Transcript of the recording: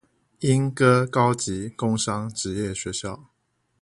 鶯歌高級工商職業學校